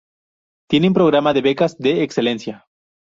Tiene un programa de becas de excelencia.